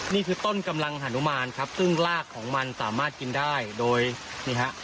นี่คือต้นกำลังฮานุมานครับซึ่งรากของมันสามารถกินได้โดยนี่ฮะ